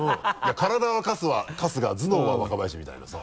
体は春日頭脳は若林みたいなさ。